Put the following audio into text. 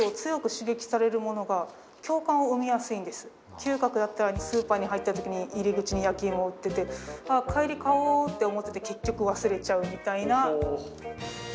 嗅覚だったらスーパー入ったときに入り口に焼き芋を売ってて帰り買おうって思ってて結局、忘れちゃうみたいな。